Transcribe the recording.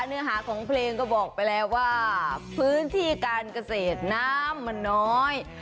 เนื้อหาของเพลงก็บอกไปแล้วว่าพื้นที่การเกษตรน้ำมันน้อย